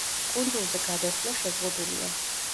კუნძულზე გადასვლა შეზღუდულია.